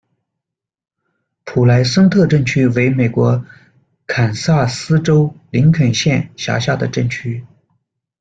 普莱森特镇区为美国堪萨斯州林肯县辖下的镇区。